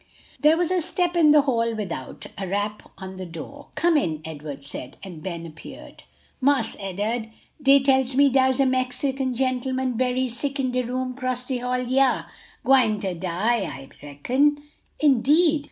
There was a step in the hall without, a rap on the door. "Come in," Edward said, and Ben appeared. "Marse Ed'ard, dey tells me dars a 'Merican gentleman bery sick in de room cross de hall hyar; gwine ter die, I reckon." "Indeed!"